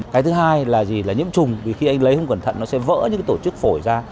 cái thứ hai là gì là nhiễm trùng vì khi anh lấy không cẩn thận nó sẽ vỡ những cái tổ chức phổi ra